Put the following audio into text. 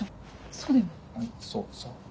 そうそう。